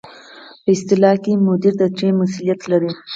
په اصطلاح کې مدیر د ټیم مسؤلیت لري.